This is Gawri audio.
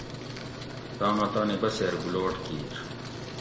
تامہ تانی بسیر گُلوٹ کِیر